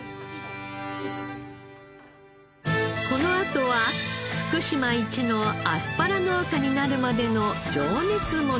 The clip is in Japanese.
このあとは福島一のアスパラ農家になるまでの情熱物語。